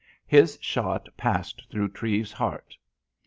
His shot passed through Treves's heart....